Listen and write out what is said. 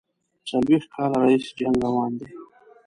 څلوېښت کاله راهیسي جنګ روان دی.